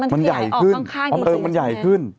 มันใหญ่ขึ้นอำเภอมันใหญ่ขึ้น